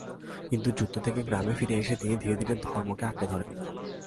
কিন্তু যুদ্ধ থেকে গ্রামে ফিরে এসে তিনি ধীরে ধীরে ধর্মকে আঁকড়ে ধরেন।